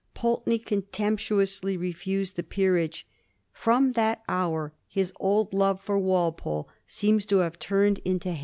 Pulteney contemptuously refused the peerage. From that hour his old love for Walpole seems to have turned into hate.